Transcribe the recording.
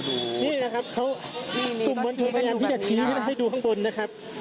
แล้วดูนี่นะครับกลุ่มบริเวณทุกข์พยายามที่จะชี้ให้ดูข้างบนนะครับ